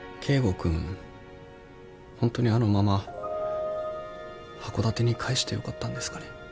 君ホントにあのまま函館に帰してよかったんですかね？